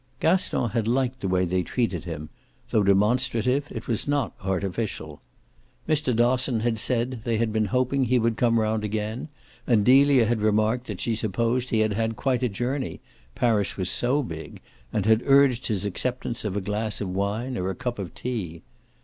Gaston had liked the way they treated him though demonstrative it was not artificial. Mr. Dosson had said they had been hoping he would come round again, and Delia had remarked that she supposed he had had quite a journey Paris was so big; and had urged his acceptance of a glass of wine or a cup of tea.